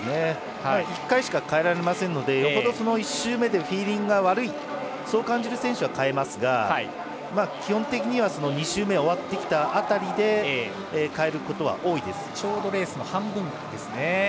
１回しかかえられませんのでよほど１周目でフィーリングが悪いとそう感じる選手は、かえますが基本的には２周目終わってきた辺りでかえることは多いです。